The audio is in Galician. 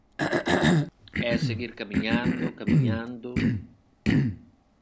E seguir camiñando, camiñando.